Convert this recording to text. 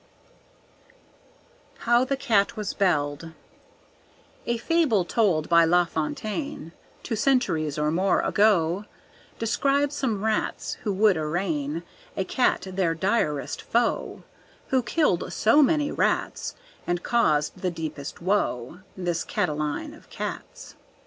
How the Cat was Belled A fable told by La Fontaine, Two centuries or more ago, Describes some rats who would arraign A cat, their direst foe, Who killed so many rats And caused the deepest woe, This Catiline of cats.